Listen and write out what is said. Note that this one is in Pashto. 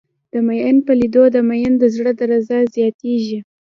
د ميئن په لېدو د ميئن د زړه درزه زياتېږي.